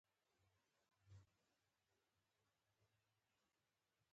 په کوم لوري چېرې روان ياستئ.